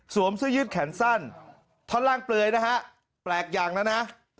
สวมซื้อยึดแขนสั้นทอนล่างเปลือยนะฮะแปลกอย่างนะนะ